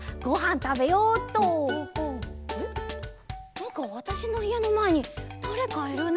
なんかわたしのいえのまえにだれかいるな。